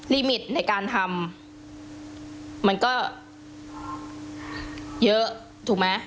มิตในการทำมันก็เยอะถูกไหม